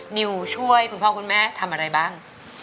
นิวช่วยคุณพ่อคุณแม่ทำอะไรบ้าง